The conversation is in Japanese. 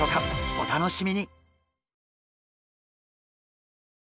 お楽しみに。